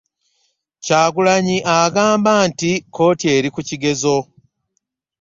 Kyagulanyi agamba nti kkooti eri ku kigezo